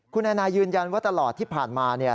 คุณแอน่ายืนยันว่าตลอดที่ผ่านมา